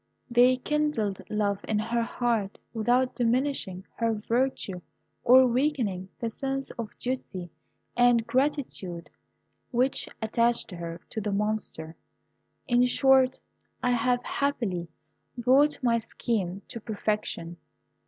They kindled love in her heart without diminishing her virtue or weakening the sense of duty and gratitude which attached her to the Monster. In short, I have happily brought my scheme to perfection.